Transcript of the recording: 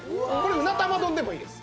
うな玉丼でもいいです。